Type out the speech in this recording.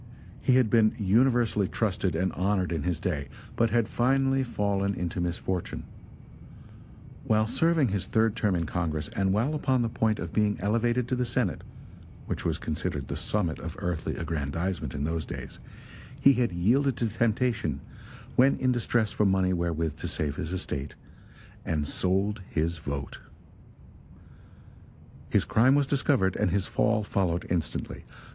He had been universally trusted and honored in his day, but had finally, fallen into misfortune; while serving his third term in Congress, and while upon the point of being elevated to the Senate which was considered the summit of earthly aggrandizement in those days he had yielded to temptation, when in distress for money wherewith to save his estate; and sold his vote. His crime was discovered, and his fall followed instantly.